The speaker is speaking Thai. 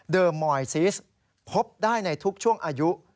มอยซิสพบได้ในทุกช่วงอายุ